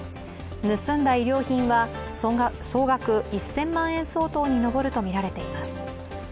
盗んだ衣料品は総額１０００万円相当に上るとみられています。